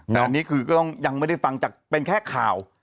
แต่อันนี้คือก็ต้องยังไม่ได้ฟังจากเป็นแค่ข่าว